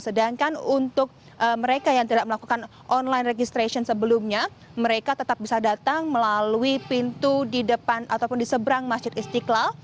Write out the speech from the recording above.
sedangkan untuk mereka yang tidak melakukan online registration sebelumnya mereka tetap bisa datang melalui pintu di depan ataupun di seberang masjid istiqlal